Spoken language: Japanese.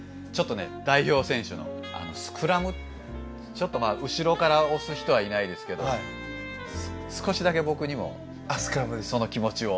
ちょっとまあ後ろから押す人はいないですけど少しだけ僕にもその気持ちを。